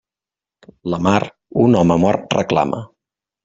La mar, un home mort reclama.